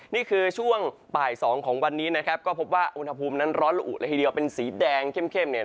นี่คือช่วงบ่าย๒ของวันนี้ก็พบว่าอุณหภูมินั้นร้อนละอุเลยทีเดียวเป็นสีแดงเข้ม